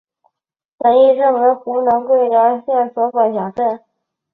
仁义镇为湖南省桂阳县所辖镇。